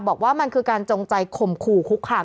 บอกว่ามันคือการจงใจข่มขู่คุกคาม